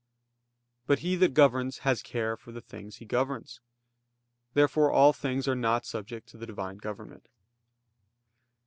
But he that governs has care for the things he governs. Therefore all things are not subject to the Divine government.